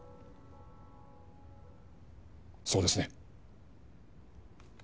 そうですね？